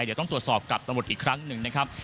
เดี๋ยวต้องตรวจสอบกับตำรวจอีกครั้งหนึ่งนะครับ